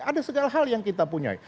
ada segala hal yang kita punya